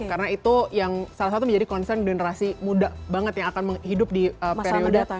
karena itu yang salah satu menjadi concern generasi muda banget yang akan hidup di periode